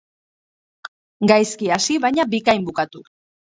Gaizki hasi baina bikain bukatu.